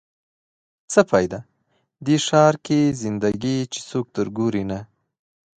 څه فایده؟ دې ښار کې زنده ګي چې څوک در ګوري نه